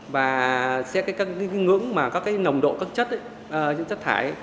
và các cái ngưỡng mà các cái nồng độ các chất thải